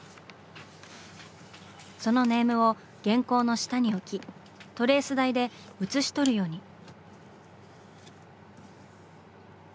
そのネームを原稿の下に置きトレース台で写し取るように。